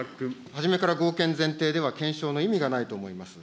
はじめから合憲前提では検証の意味がないと思います。